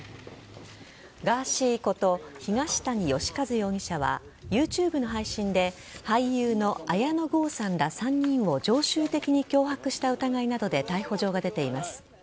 ガーシーこと東谷義和容疑者はＹｏｕＴｕｂｅの配信で俳優の綾野剛さんら３人を常習的に脅迫した疑いなどで逮捕状が出ています。